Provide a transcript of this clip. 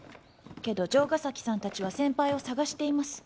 けど城ヶ崎さんたちは先輩を捜しています。